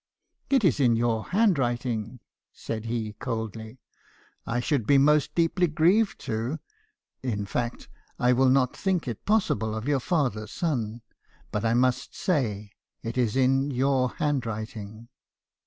"'It is in your handwriting,' said he, coldly. 'I should 302 mb. haekison's confessions. be most deeply grieved to — in fact , I will not think it possible of your father's son. But I must say, it is in your handwriting.